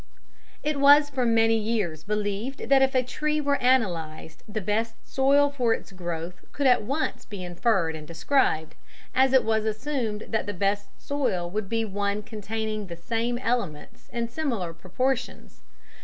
_ It was for many years believed that if a tree were analysed the best soil for its growth could at once be inferred and described, as it was assumed that the best soil would be one containing the same elements in similar proportions.